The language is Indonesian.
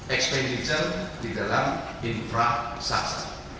expenditure di dalam infrasa